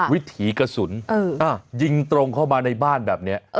วิถีกระสุนยิงตรงเข้ามาในบ้านแบบนี้